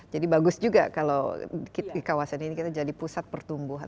jadi bagus juga kalau di kawasan ini kita jadi pusat pertumbuhan